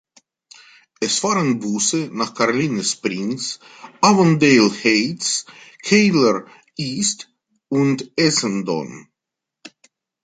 Es fahren Busse nach Caroline Springs, Avondale Heights, Keilor East und Essendon.